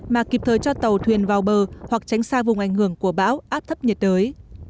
mà kịp thời cho tàu thuyền vào bờ hoặc tránh xa vùng ảnh hưởng của bão áp thấp nhiệt đới